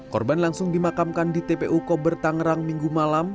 korban langsung dimakamkan di tpu kober tangerang minggu malam